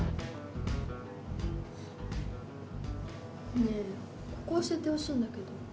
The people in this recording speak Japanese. ねえここ教えてほしいんだけど。